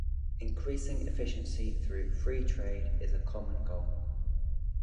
Increasing efficiency through "free trade" is a common goal.